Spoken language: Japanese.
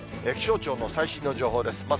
気象庁の最新の情報です。